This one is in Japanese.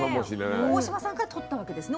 大島さんから取ったわけですね？